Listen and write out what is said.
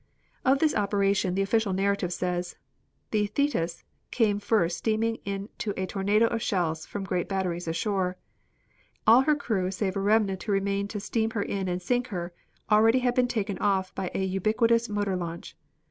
Of this operation the official narrative says: "The Thetis came first steaming into a tornado of shells from great batteries ashore. All her crew save a remnant who remained to steam her in and sink her, already had been taken off her by a ubiquitous motor launch.